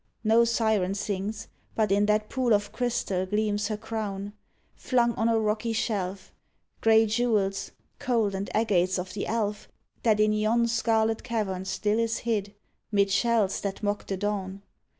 No siren sings, But in that pool of crystal gleams her crown, 69 AN AL'=rjR OF 'THE WES'T Flung on a rocky shelf — Grey jewels cold and agates of the elf That in yon scarlet cavern still is hid, 'Mid shells that mock the dawn.